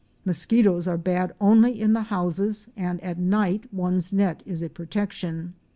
Mosquitoes are bad only in the houses and at night one's net is a protection.